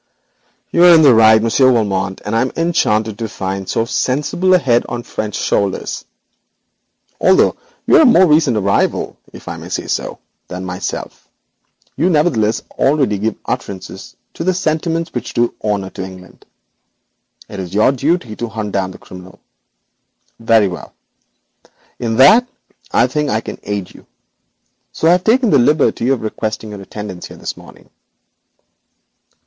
'Again I say you are in the right, Monsieur Valmont, and I am enchanted to find so sensible a head on French shoulders. Although you are a more recent arrival, if I may say so, than myself, you nevertheless already give utterance to sentiments which do honour to England. It is your duty to hunt down the criminal. Very well. In that I think I can aid you, and thus have taken the liberty of requesting your attendance here this morning.